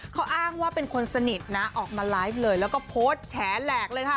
เขาอ้างว่าเป็นคนสนิทนะออกมาไลฟ์เลยแล้วก็โพสต์แฉแหลกเลยค่ะ